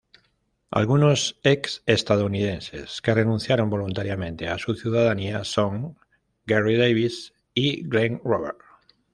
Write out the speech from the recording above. Algunos ex-estadounidenses que renunciaron voluntariamente a su ciudadanía son: Garry Davis y Glen Roberts.